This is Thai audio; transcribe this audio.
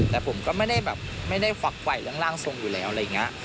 แต่ผมก็ไม่ได้แบบไม่ได้ฝักไหวเรื่องร่างทรงอยู่แล้วอะไรอย่างนี้